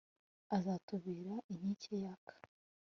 azatubera inkike yaka